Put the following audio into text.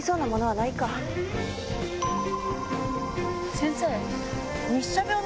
先生。